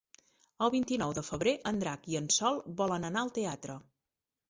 El vint-i-nou de febrer en Drac i en Sol volen anar al teatre.